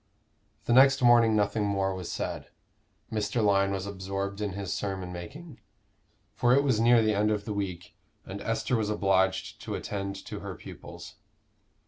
The next morning nothing more was said. Mr. Lyon was absorbed in his sermon making, for it was near the end of the week, and Esther was obliged to attend to her pupils.